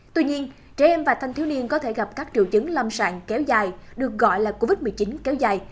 tuy nhiên trẻ em và thanh thiếu niên có thể gặp các triệu chứng lâm sàng kéo dài được gọi là covid một mươi chín kéo dài